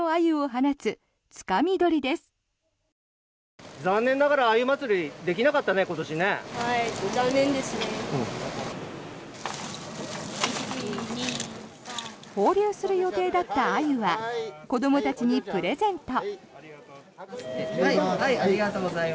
放流する予定だったアユは子供たちにプレゼント。